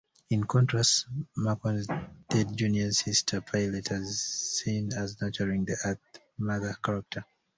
In contrast, Macon Dead Junior's sister, Pilate, is seen as nurturing-an Earth Mother character.